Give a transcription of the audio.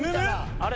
あれ？